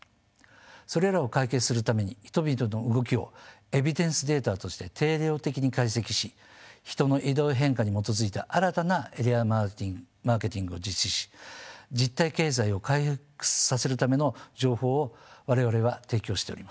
それらを解決するために人々の動きをエビデンスデータとして定量的に解析し人の移動変化に基づいた新たなエリアマーケティングを実施し実態経済を回復させるための情報を我々は提供しております。